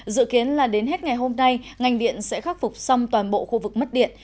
dự kiến là đến hết ngày hôm nay ngành điện sẽ khắc phục xong toàn bộ khu vực mất điện